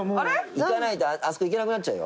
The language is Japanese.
行かないとあそこ行けなくなっちゃうよ。